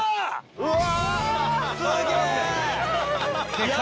うわ！